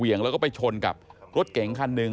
เหวี่ยงแล้วก็ไปชนกับรถเก๋งคันนึง